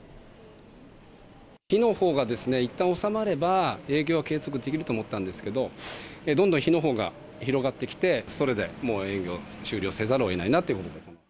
火のほうがいったん収まれば、営業は継続できると思ったんですけど、どんどん火のほうが広がってきて、それでもう営業終了せざるをえないなって。